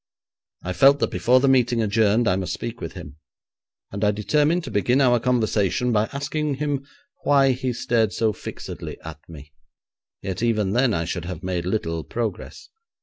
I felt that before the meeting adjourned I must speak with him, and I determined to begin our conversation by asking him why he stared so fixedly at me. Yet even then I should have made little progress.